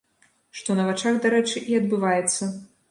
Што на вачах, дарэчы, і адбываецца.